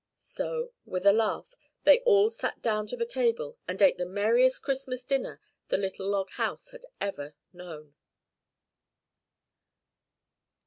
So, with a laugh, they all sat down to the table and ate the merriest Christmas dinner the little log house had ever known.